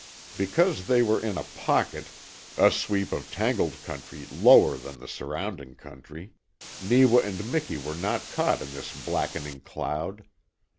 Because they were in a "pocket" a sweep of tangled country lower than the surrounding country Neewa and Miki were not caught in this blackening cloud.